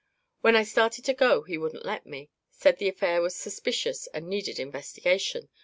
When I started to go he wouldn't let me; said the affair was suspicious and needed investigation.